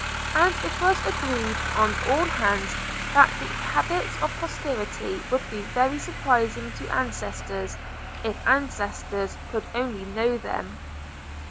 And it was agreed on all hands that the habits of posterity would be very surprising to ancestors, if ancestors could only know them.